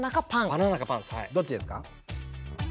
どっちですか？